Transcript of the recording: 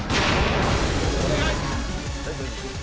お願い！